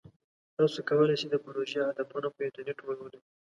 تاسو کولی شئ د پروژې هدفونه په انټرنیټ ولولئ.